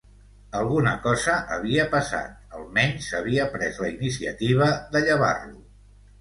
Alguna cosa havia passat, almenys havia pres la iniciativa de llevar-lo.